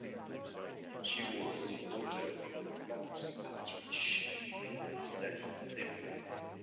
She was the daughter of the famous pastry chef Sally Seymour.